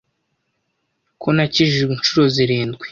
Ko nakijijwe inshuro zirindwi